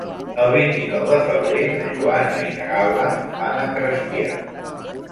El vint-i-nou de febrer na Joana i na Gal·la van a Crespià.